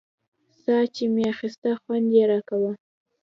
ساه چې مې اخيستله خوند يې راکاوه.